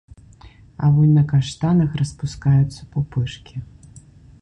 А вунь на каштанах распускаюцца пупышкі.